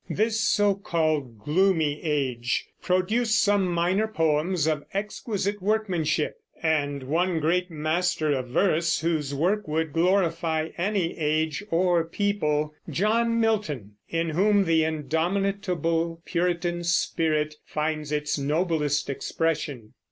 This so called gloomy age produced some minor poems of exquisite workmanship, and one great master of verse whose work would glorify any age or people, John Milton, in whom the indomitable Puritan spirit finds its noblest expression.